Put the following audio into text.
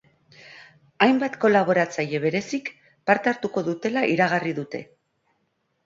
Hainbat kolaboratzaile berezik parte hartuko dutela iragarri dute.